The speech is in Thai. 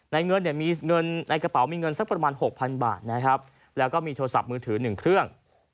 ในกระเป๋ามีเงินสักประมาณ๖๐๐๐บาทแล้วก็มีโทรศัพท์มือถือ๑เครื่อง